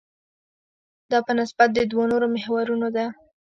دا په نسبت د دوو نورو محورونو ده.